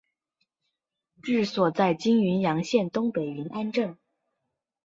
治所在今云阳县东北云安镇。